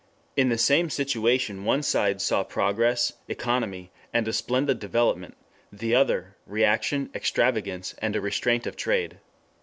In the same situation one side saw progress, economy, and a splendid development; the other, reaction, extravagance, and a restraint of trade.